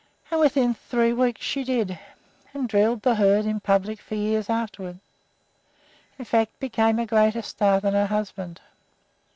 And within three weeks she did it, and drilled the herd in public for years afterward in fact, became a greater star than her husband.